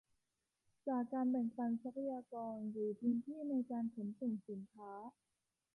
จากการแบ่งปันทรัพยากรหรือพื้นที่ในการขนส่งสินค้า